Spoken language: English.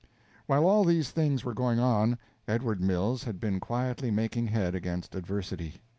While all these things were going on, Edward Mills had been quietly making head against adversity.